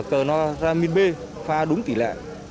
cronoramin b pha đúng tỷ lệ